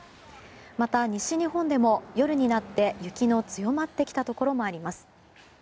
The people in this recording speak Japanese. また、西日本でも夜になって雪の強まってきたところもあります。